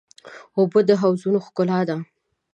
اوبه د حوضونو ښکلا ده.